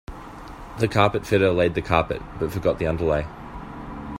The carpet fitter laid the carpet, but forgot the underlay